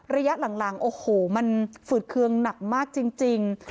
ระยะหลังโอ้โหมันฝืดเคืองหนักมากจริง